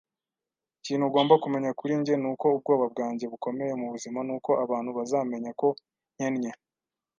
Ikintu ugomba kumenya kuri njye nuko ubwoba bwanjye bukomeye mubuzima nuko abantu bazamenya ko nkennye